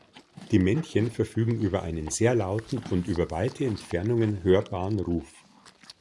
Die Männchen verfügen über einen sehr lauten und über weite Entfernungen hörbaren Ruf.